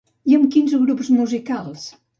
I amb quins grups musicals?